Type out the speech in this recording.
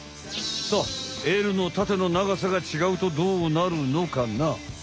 さあＬの縦の長さが違うとどうなるのかな？